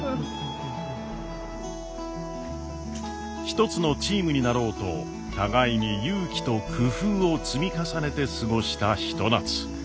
一つのチームになろうと互いに勇気と工夫を積み重ねて過ごしたひと夏。